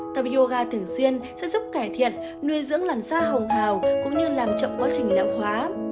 ta bioga thường xuyên sẽ giúp cải thiện nuôi dưỡng làn da hồng hào cũng như làm chậm quá trình lão hóa